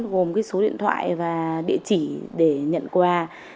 gồm cái số điện thoại và địa chỉ để nhận quà